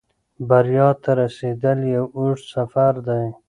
بریا ته رسېدل یو اوږد سفر دی.